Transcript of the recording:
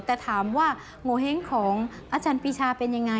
แต่ถามว่าโงเห้งของอาจารย์ปีชาเป็นยังไง